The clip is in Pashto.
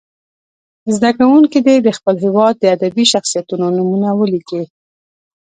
زده کوونکي دې د خپل هېواد د ادبي شخصیتونو نومونه ولیکي.